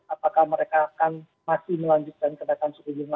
apakah mereka akan masih melanjutkan kenaikan suku bunga